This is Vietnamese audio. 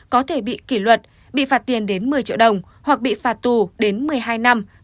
có thể bị kỷ luật bị phạt tiền đến một mươi triệu đồng hoặc bị phạt tù đến một mươi hai năm